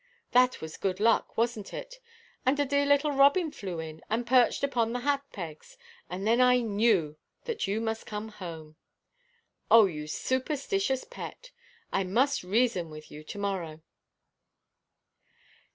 That was good luck, wasnʼt it? And a dear little robin flew in, and perched upon the hat–pegs; and then I knew that you must come home." "Oh, you superstitious pet! I must reason with you to–morrow."